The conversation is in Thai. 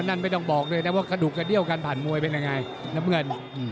ฉะนั้นไม่ต้องบอกเลยนะครับว่าขดุกกันเดี่ยวกันผ่านมวยเป็นยังไงน้ำเงิน